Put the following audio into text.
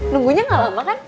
nunggunya gak lama kan